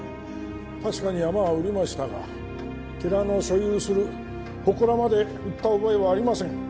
確かに山は売りましたが寺の所有するほこらまで売った覚えはありません。